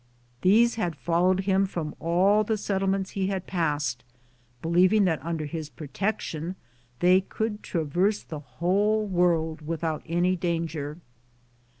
These had followed him from all the settlements he had passed, believing that under his pro tection they could traverse the whole world without any danger.